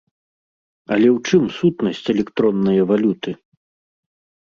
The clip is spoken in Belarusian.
Але ў чым сутнасць электроннае валюты?